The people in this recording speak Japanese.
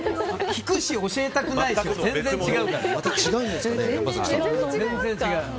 聞くし、教えたくないし全然違うから。